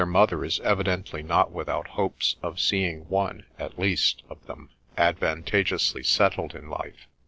115 mother is evidently not without hopes of seeing one, at least, of them advantageously settled in life.